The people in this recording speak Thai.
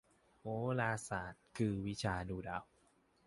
โหราศาสตร์คือวิชาดูดาว